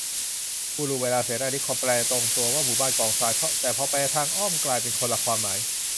อุรุเวลาเสนานิคม แปลตรงตัวว่าหมู่บ้านกองทราย แต่พอแปลทางอ้อมกลายเป็นคนละความหมาย